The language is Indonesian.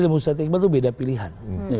lembong susati iqbal itu beda pilihan